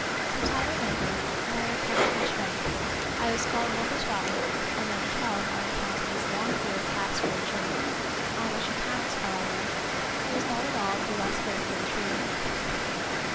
Some time went over, and I recovered my strength. I was called Number Twelve^ and Number Twelve on account of his long beard passed for a Jew; on which account, however, he was not at all the less carefully treated.